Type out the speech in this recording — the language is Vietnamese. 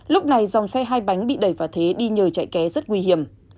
lúc này dòng xe hai bánh bị đẩy vào thế đi nhờ chạy ké rất nguy hiểm